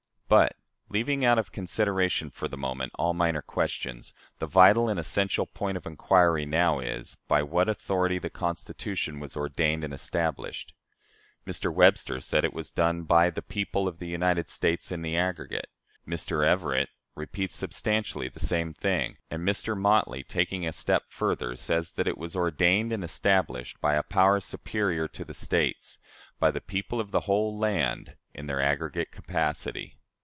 But, leaving out of consideration for the moment all minor questions, the vital and essential point of inquiry now is, by what authority the Constitution was "ordained and established." Mr. Webster says it was done "by the people of the United States in the aggregate;" Mr. Everett repeats substantially the same thing; and Mr. Motley, taking a step further, says that "it was 'ordained and established' by a power superior to the States by the people of the whole land in their aggregate capacity."